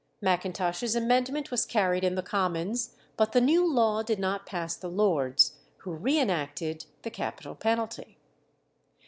Macintosh's amendment was carried in the Commons, but the new law did not pass the Lords, who re enacted the capital penalty.